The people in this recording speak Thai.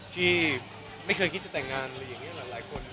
ที่ไม่เคยคิดจะแต่งงานอะไรอย่างนี้หลายคน